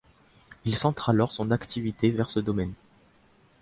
Il centre alors son activité vers ce domaine.